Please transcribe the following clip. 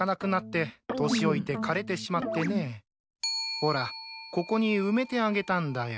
ほらここに埋めてあげたんだよ。